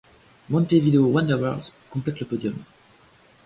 Montevideo Wanderers complète le podium.